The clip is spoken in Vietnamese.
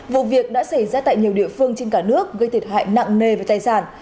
vụ việc đã xảy ra tại nhiều địa phương trên cả nước gây thiệt hại nặng nề về tài sản